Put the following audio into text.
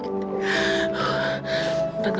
kamu enggak mati